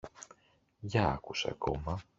Για άκουσε ακόμα.